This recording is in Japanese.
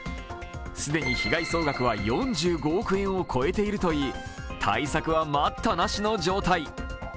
既に被害総額は４５億円を超えているといい対策は待ったなしの状態。